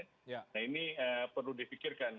nah ini perlu di pikirkan